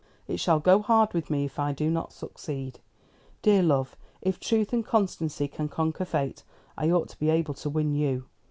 It shall go hard with me if I do not succeed. Dear love, if truth and constancy can conquer fate, I ought to be able to win you.